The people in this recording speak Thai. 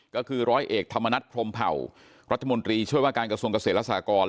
ก็คือร้อยเอกธรรมนัฐพรมเผ่ารัฐมนตรีช่วยว่าการกระทรวงเกษตรและสากร